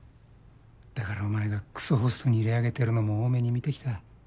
だからお前がクソホストに入れあげてるのも大目に見てきた。